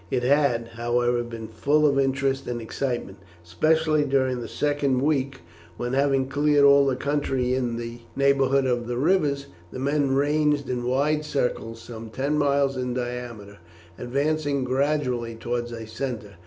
It had, however, been full of interest and excitement, especially during the second week, when, having cleared all the country in the neighbourhood of the rivers, the men were ranged in wide circles some ten miles in diameter, advancing gradually towards a centre.